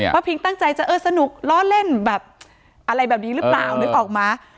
พระพิงตั้งใจสนุกรอเล่นเลยออกมา